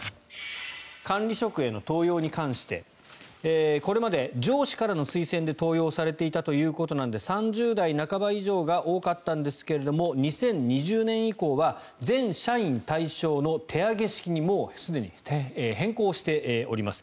管理職への登用に関してこれまで上司からの推薦で登用されていたということで３０代半ば以上が多かったんですが２０２０年以降は全社員対象の手上げ式にもうすでに変更しております。